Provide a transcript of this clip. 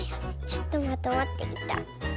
ちょっとまとまってきた。